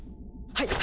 はい！